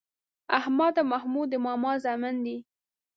احمد او محمود د ماما زامن دي